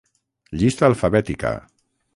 Llista alfabètica.